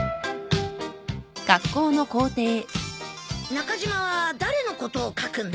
中島は誰のことを書くんだ？